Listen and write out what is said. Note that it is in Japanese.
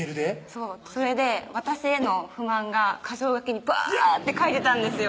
そうそれで私への不満が箇条書きにばって書いてたんですよ